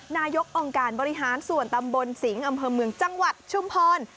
นายกองค์การบริหารส่วนตำบลสิงห์อำเภอเมืองจังหวัดชุมพร